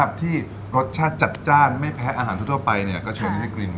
เปิดตั้งวันเกี่ยวกันไปเกี่ยวกันตอนนี้